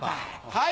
はい！